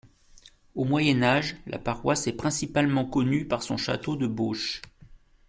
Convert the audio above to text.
Au Moyen Age, la paroisse est principalement connue par son château de Beauches.